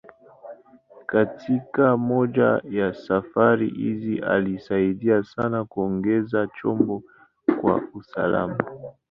Katika moja ya safari hizi, alisaidia sana kuongoza chombo kwa usalama.